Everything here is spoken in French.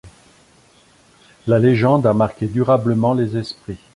La légende a marqué durablement les esprits.